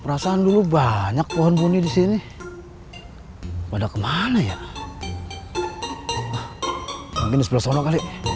perasaan dulu banyak pohon buni di sini pada kemana ya mungkin di sebelah sana kali